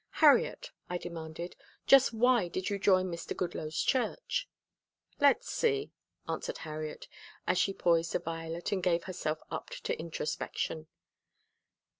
"Harriet," I demanded, "just why did you join Mr. Goodloe's church?" "Let's see," answered Harriet, as she poised a violet and gave herself up to introspection.